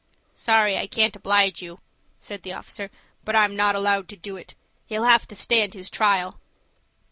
"Sorry I can't oblige you," said the officer; "but I'm not allowed to do it. He'll have to stand his trial."